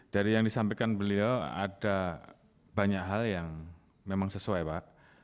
dari yang disampaikan beliau ada banyak hal yang memang sesuai pak